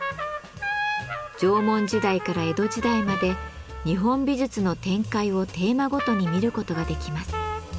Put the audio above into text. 縄文時代から江戸時代まで日本美術の展開をテーマごとに見ることができます。